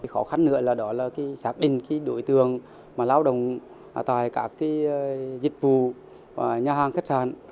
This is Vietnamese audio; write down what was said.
khó khăn nữa là đó là xác định đối tượng lao động tại các dịch vụ nhà hàng khách sạn